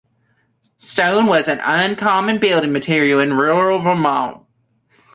Stone was an uncommon building material in rural Vermont.